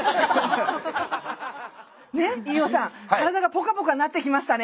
飯尾さん体がポカポカなってきましたね？